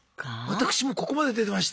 私もここまで出てました。